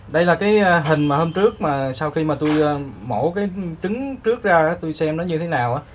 đây là cái hình mà hôm trước mà sau khi mà tôi mổ cái trứng trước ra đó tôi xem nó như thế nào